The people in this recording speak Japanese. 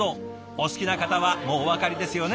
お好きな方はもうお分かりですよね。